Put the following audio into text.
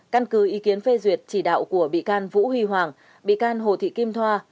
căn cứ ý kiến phê duyệt chỉ đạo của bị can vũ huy hoàng bị can hồ thị kim thoa